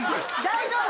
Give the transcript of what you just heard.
大丈夫？